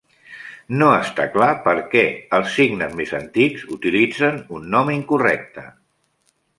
No està clar per què els signes més antics utilitzen un nom incorrecte.